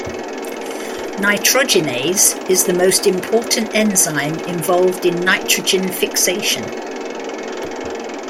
Nitrogenase is the most important enzyme involved in nitrogen fixation.